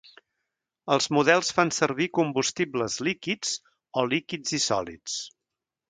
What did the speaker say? Els models fan servir combustibles líquids o líquids i sòlids.